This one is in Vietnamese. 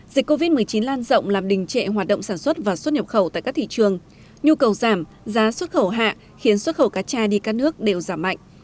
dịch covid một mươi chín lan rộng làm đình trệ hoạt động sản xuất và xuất nhập khẩu tại các thị trường nhu cầu giảm giá xuất khẩu hạ khiến xuất khẩu cá tra đi các nước đều giảm mạnh